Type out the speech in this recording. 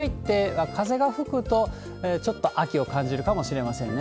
日陰に入って、風が吹くと、ちょっと秋を感じるかもしれませんね。